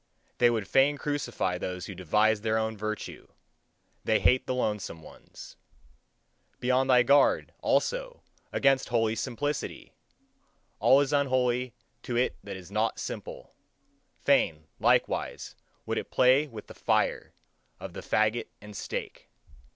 They would fain crucify those who devise their own virtue they hate the lonesome ones. Be on thy guard, also, against holy simplicity! All is unholy to it that is not simple; fain, likewise, would it play with the fire of the fagot and stake.